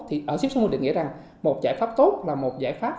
thì ở sip sáu mươi định nghĩa rằng một giải pháp tốt là một giải pháp